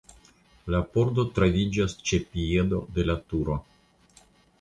La pordo troviĝas ĉe piedo de la turo.